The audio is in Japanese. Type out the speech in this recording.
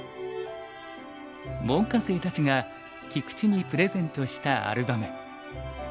門下生たちが菊池にプレゼントしたアルバム。